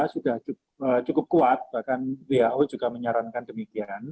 sudah cukup kuat bahkan who juga menyarankan demikian